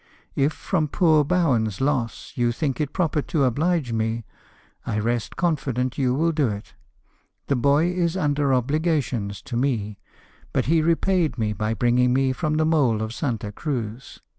If from poor Bowen's loss you think it proper to obhge me, I rest confident you will do it. The boy is under obligations to me ; but he repaid me by bringing me from the mole of Santa Cruz.